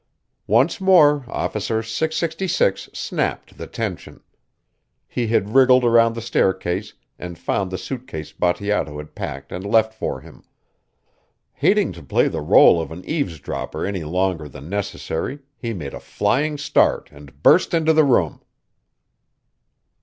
Once more Officer 666 snapped the tension. He had wriggled around the staircase and found the suitcase Bateato had packed and left for him. Hating to play the rôle of an eavesdropper any longer than necessary he made a flying start and burst into the room.